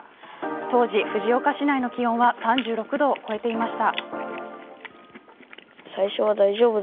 当時、藤岡市内の気温は３６度を超えていました。